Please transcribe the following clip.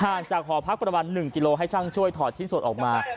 จากหอพักประมาณ๑กิโลให้ช่างช่วยถอดชิ้นส่วนออกมา